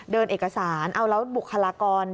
เอกสารเอาแล้วบุคลากร